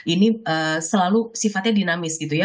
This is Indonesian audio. ini selalu sifatnya dinamis gitu ya